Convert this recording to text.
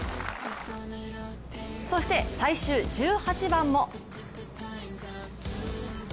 そして、最終１８番も。